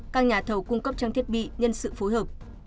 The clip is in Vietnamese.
các nhà thầu cung cấp trang thiết bị nhân sự phối hợp